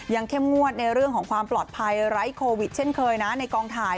เข้มงวดในเรื่องของความปลอดภัยไร้โควิดเช่นเคยนะในกองถ่าย